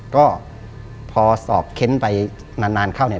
ก็พอสอบเค้นไปนานเข้าเนี่ย